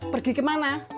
pergi ke mana